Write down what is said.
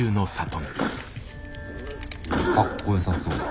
かっこよさそう。